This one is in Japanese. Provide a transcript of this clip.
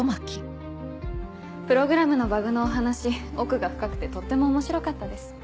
プログラムのバグのお話奥が深くてとっても面白かったです。